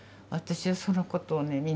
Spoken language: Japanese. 私はそのことをね